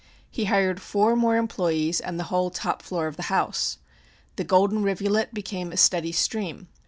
He hired four more employees and the whole top floor of the house. The golden rivulet became a steady stream.